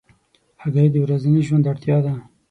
هګۍ د ورځني ژوند اړتیا ده.